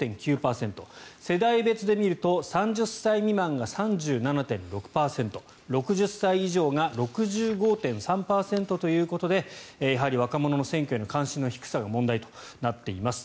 世代別で見ると３０歳未満が３７．６％６０歳以上が６５．３％ということでやはり若者の選挙への関心の低さが問題となっています。